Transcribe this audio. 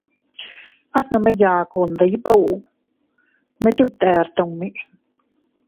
At nome yaku, ndibuu, mite btere tummi.